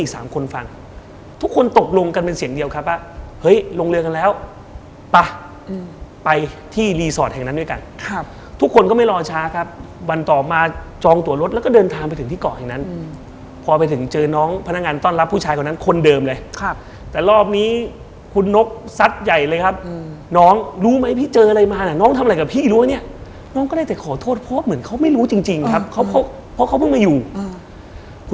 เสียงอี๊ดอี๊ดดังมาจากข้างหลังรถอะพี่แจ๊ค